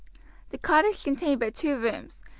The cottage contained but two rooms.